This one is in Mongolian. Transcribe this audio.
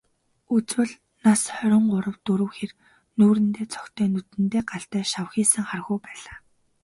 Үзвэл, нас хорин гурав дөрөв хэр, нүүрэндээ цогтой, нүдэндээ галтай, шавхийсэн хархүү байлаа.